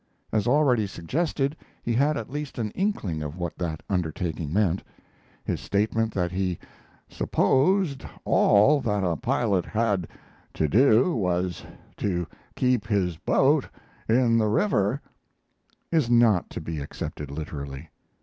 As already suggested, he had at least an inkling of what that undertaking meant. His statement that he "supposed all that a pilot had to do was to keep his boat in the river" is not to be accepted literally.